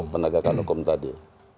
menegakkan hukum tadi